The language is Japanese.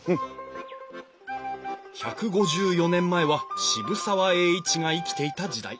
１５４年前は渋沢栄一が生きていた時代。